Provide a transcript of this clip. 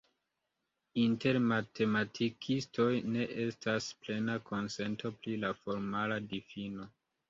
Inter matematikistoj ne estas plena konsento pri la formala difino.